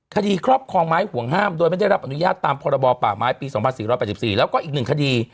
ครอบครองไม้ห่วงห้ามโดยไม่ได้รับอนุญาตตามพรบป่าไม้ปี๒๔๘๔แล้วก็อีก๑คดี